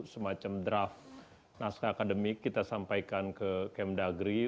semacam draft naskah akademik kita sampaikan ke kemdagri